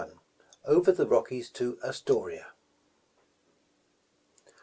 OVER THE ROCKIES TO ASTORIA.